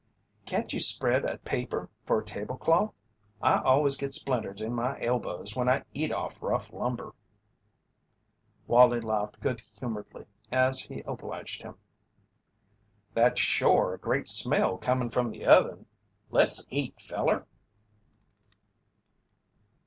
"Can't you spread a paper for a tablecloth? I always git splinters in my elbows when I eat off rough lumber." Wallie laughed good humouredly as he obliged him. "That's shore a great smell comin' from the oven! Let's eat, feller."